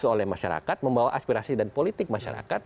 jadi mereka memiliki masyarakat membawa aspirasi dan politik masyarakat